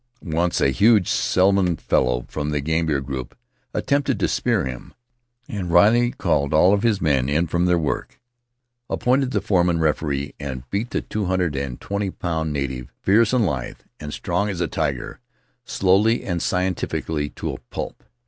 Once a huge, sullen fellow from the Gambier group attempted to spear him, and Riley called all of his men in from Faery Lands of the South Seas their work, appointed the foreman referee, and beat the two hundred and twenty pound native — fierce and lithe and strong as a tiger — slowly and scientifically, to a pulp.